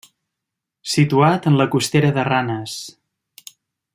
Situat en la costera de Ranes.